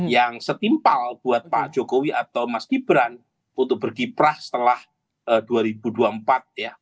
yang setimpal buat pak jokowi atau mas gibran untuk berkiprah setelah dua ribu dua puluh empat ya